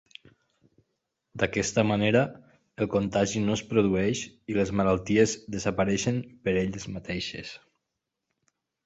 D'aquesta manera el contagi no es produeix i les malalties desapareixien per elles mateixes.